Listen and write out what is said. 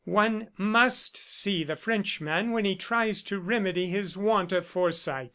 One must see the Frenchman when he tries to remedy his want of foresight.